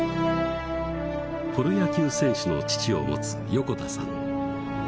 プロ野球選手の父を持つ横田さん